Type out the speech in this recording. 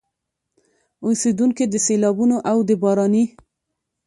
اوسېدونکي د سيلابونو او د باراني